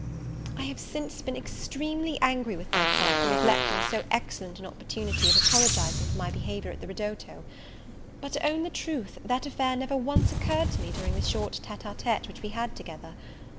I have since been extremely angry with myself for neglecting so excellent an opportunity of apologizing for my behaviour at the ridotto: but, to own the truth, that affair never once occurred to me during the short tete e tete which we had together.